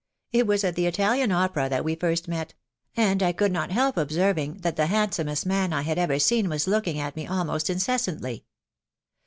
It was at the Italian opera that we first met; and I could not help observing that the handsomest man I had ever seen was looking at me almost incessantly.